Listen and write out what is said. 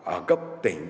ở gấp tỉnh